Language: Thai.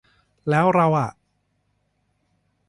แล้วเราอะ